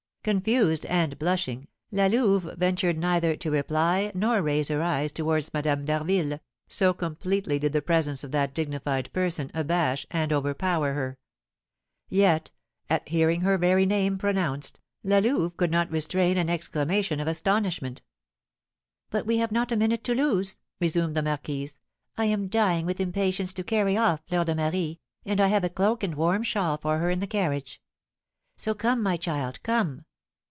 Confused and blushing, La Louve ventured neither to reply nor raise her eyes towards Madame d'Harville, so completely did the presence of that dignified person abash and overpower her. Yet, at hearing her very name pronounced, La Louve could not restrain an exclamation of astonishment. "But we have not a minute to lose," resumed the marquise. "I am dying with impatience to carry off Fleur de Marie, and I have a cloak and warm shawl for her in the carriage. So come, my child, come!"